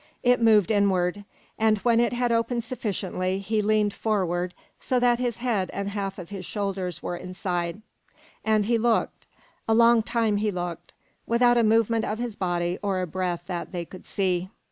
It moved inward, and when it had opened sufficiently he leaned forward so that his head and a half of his shoulders were inside; and he looked a long time he looked, without a movement of his body or a breath that they could see.